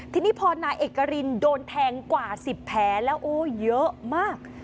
ทีนี้พอนายเอกรินโดนแทงกว่า๑๐แผลแล้วโอ้เยอะมาก